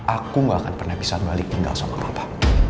aku gak akan pernah bisa balik tinggal sama apa